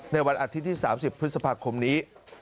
ในวันอาทิตย์ที่๓๐พฤษภาคมนี้